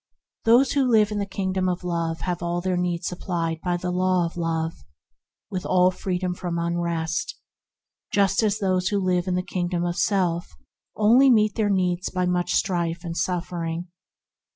Those who live in the Kingdom of Love have all their needs supplied by the Law of Love, with all freedom from unrest, just as those who live in the kingdom of self only meet their needs by much strife and suffering.